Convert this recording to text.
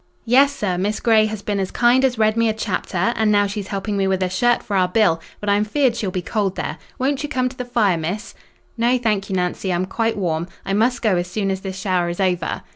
"Yes, sir; Miss Grey has been as kind as read me a chapter; an' now she's helping me with a shirt for our Bill—but I'm feared she'll be cold there. Won't you come to th' fire, Miss?" "No, thank you, Nancy, I'm quite warm. I must go as soon as this shower is over."